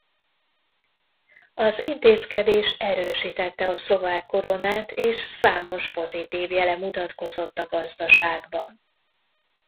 Az intézkedés erősítette a szlovák koronát és számos pozitív jele mutatkozott a gazdaságban.